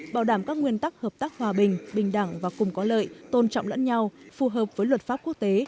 bảo đảm các nguyên tắc hợp tác hòa bình bình đẳng và cùng có lợi tôn trọng lẫn nhau phù hợp với luật pháp quốc tế